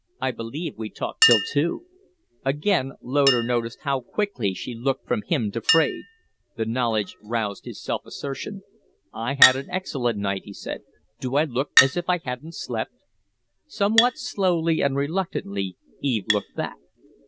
I believe we talked till two." Again Loder noticed bow quickly she looked from him to Fraide. The knowledge roused his self assertion. "I had an excellent night," he said. "Do I look as if I hadn't slept?" Somewhat slowly and reluctantly Eve looked back.